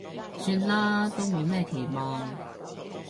算啦，都冇咩期望